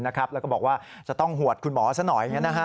แล้วก็บอกว่าจะต้องหวดคุณหมอซะหน่อย